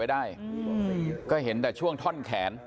ไม่ได้ไม่ได้อ่ะแด่แค่นั้นได้หนูจะมาหมอกรดให้แล้วครับ